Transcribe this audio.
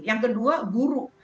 yang kedua guru